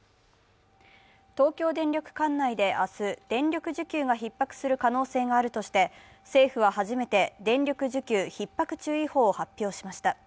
東京電力管内で明日、電力需給がひっ迫する可能性があるとして政府は初めて電力需給ひっ迫注意報を発表しました。